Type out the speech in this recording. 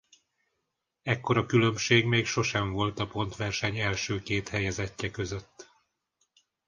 Ekkora különbség még sosem volt a pontverseny első két helyezettje között.